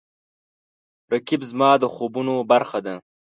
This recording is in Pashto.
رقیب زما د خوبونو برخه ده